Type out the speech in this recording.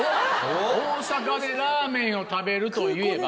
大阪でラーメンを食べるといえば。